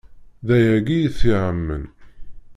D ayagi i t-yeɛman.